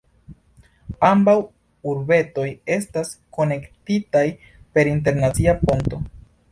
Ambaŭ urbetoj estas konektitaj per internacia ponto.